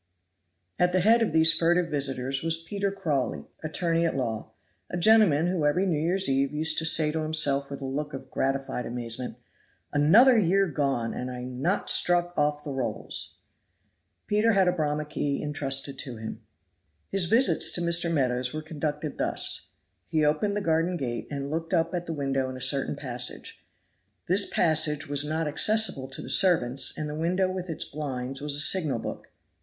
At the head of these furtive visitors was Peter Crawley, attorney at law, a gentleman who every New Year's Eve used to say to himself with a look of gratified amazement "Another year gone, and I not struck off the Rolls!!!" Peter had a Bramah key intrusted to him. His visits to Mr. Meadows were conducted thus: he opened the garden gate and looked up at the window in a certain passage. This passage was not accessible to the servants, and the window with its blinds was a signal book.